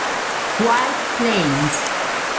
White Plains